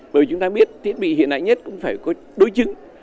bởi vì chúng ta biết thiết bị hiện đại nhất cũng phải có đối chứng